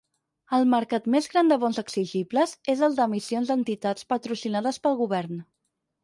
El mercat més gran de bons exigibles és el d'emissions d'entitats patrocinades pel govern.